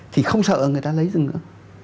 thì không sợ người ta lấy rừng nữa